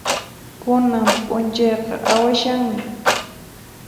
Kunan p'unchayqa awasaqmi.